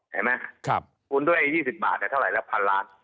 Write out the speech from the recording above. เห็นมั้ยคูณด้วย๒๐บาทแต่เท่าไหร่ละ๑๐๐๐ล้าน